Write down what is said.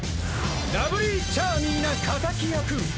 ラブリーチャーミーな敵役。